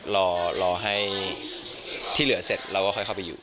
รอให้ที่เหลือเสร็จเราก็ค่อยเข้าไปอยู่